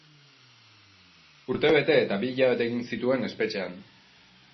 Urtebete eta bi hilabete egin zituen espetxean.